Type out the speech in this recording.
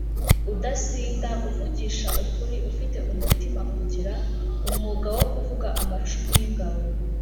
udasinda, uvugisha ukuri, ufite umutima kugira umwuga wo kuvuga amacumu y’ingabo